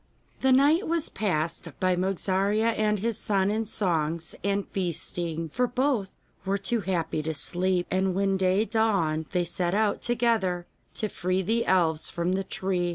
The night was passed by Mogarzea and his son in songs and feasting, for both were too happy to sleep, and when day dawned they set out together to free the elves from the tree.